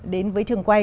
đến với trường quay